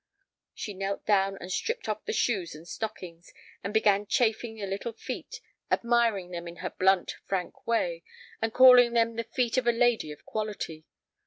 She knelt down and stripped off the shoes and stockings, and began chafing the little feet, admiring them in her blunt, frank way, and calling them the feet of a lady of quality.